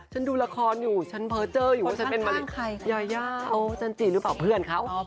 ฉันดูละครอยู่ฉันเผลอเจออยู่ว่าฉันเป็นมาริโอยายาโอ้จันทรีย์หรือเปล่าเพื่อนเขา